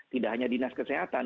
tidak hanya dinas kesehatan